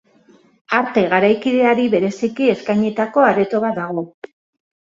Arte garaikideari bereziki eskainitako areto bat dago.